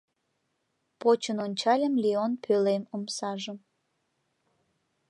Почын ончальым Леон пӧлем омсажым.